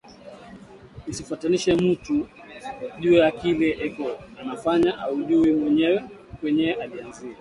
Usifatanishe mutu juya kile eko nafanya aujuwi kwenyewe alianzia